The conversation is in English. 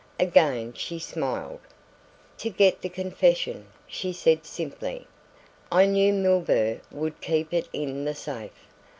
Again she smiled. "To get the confession," she said simply "I knew Milburgh would keep it in the safe.